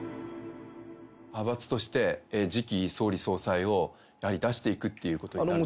派閥として、次期総理総裁をやはり出していくということですか。